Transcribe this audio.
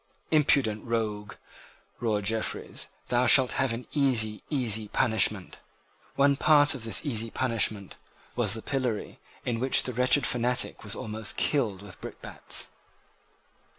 "Impudent rogue!" roared Jeffreys, "thou shalt have an easy, easy, easy punishment!" One part of this easy punishment was the pillory, in which the wretched fanatic was almost killed with brickbats.